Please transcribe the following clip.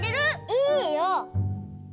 いいよ！